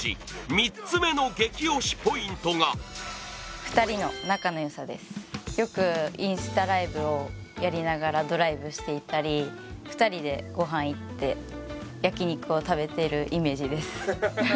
３つ目の激推しポイントがよくインスタライブをやりながらドライブしていたり２人でごはん行って、焼き肉を食べているイメージです。